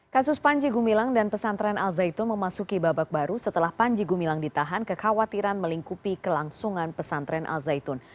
kasus panji gumilang dan pesantren al zaitun memasuki babak baru setelah panji gumilang ditahan kekhawatiran melingkupi kelangsungan pesantren al zaitun